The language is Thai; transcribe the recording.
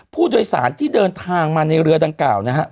ผู้โดยสารที่เดินทางมาในเรือดังกล่าวนะฮะ